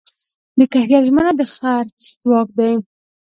د کیفیت ژمنه د خرڅ ځواک دی.